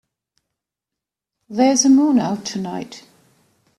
There's a moon out tonight.